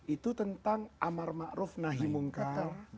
itu tentang amar ma'ruf nahi munkar